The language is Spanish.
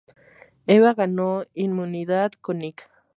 Eva ganó inmunidad con Nick.